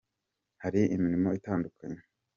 hari imirimo itandukanye.